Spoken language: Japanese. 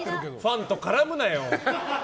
ファンと絡むなよ。